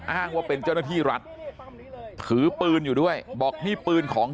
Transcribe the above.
อ้างว่าเป็นเจ้าหน้าที่รัฐถือปืนอยู่ด้วยบอกนี่ปืนของ